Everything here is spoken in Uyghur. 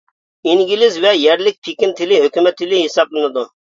ئىنگلىز ۋە يەرلىك پىكىن تىلى ھۆكۈمەت تىلى ھېسابلىنىدۇ.